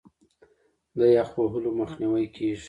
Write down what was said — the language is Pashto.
د یخ وهلو مخنیوی کیږي.